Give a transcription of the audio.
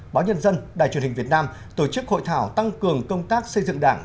báo nhân dân đài truyền hình việt nam tổ chức hội thảo tăng cường công tác xây dựng đảng